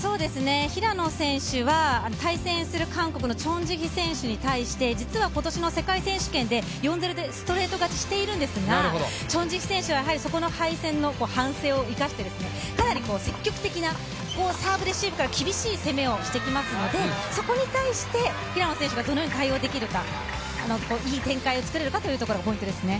平野選手は、対戦する韓国のチョン・ジヒ選手に対して実は今年の世界選手権で４−０でストレート勝ちしているんですがチョン・ジヒ選手は敗戦の反省を生かして、かなり積極的な、サーブレシーブから厳しい攻めをしてきますのでそこに対して平野選手がどのように対応できるか、いい展開を作れるかというところがポイントですね。